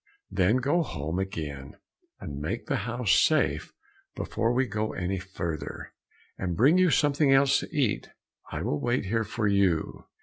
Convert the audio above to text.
"Then go home again, and make the house safe before we go any farther, and bring with you something else to eat. I will wait here for you."